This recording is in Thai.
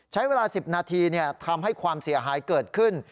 ใช้เวลา๑๐นาทีทำให้ความเสียหายเกิดขึ้น